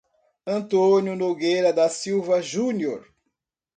Antônio Nogueira da Silva Junior